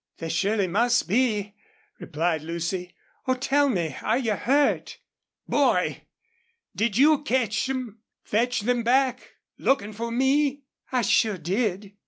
"They surely must be," replied Lucy. "Oh! tell me. Are you hurt?" "Boy! did you catch them fetch them back lookin' for me?" "I sure did."